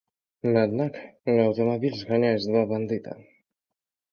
Аднак аўтамабіль зганяюць два бандыта.